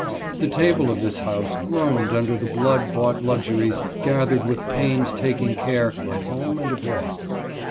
The table of this house groaned under the blood bought luxuries gathered with pains taking care at home and abroad.